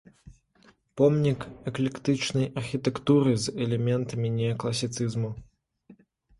Помнік эклектычнай архітэктуры з элементамі неакласіцызму.